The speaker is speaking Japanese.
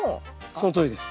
そのとおりです。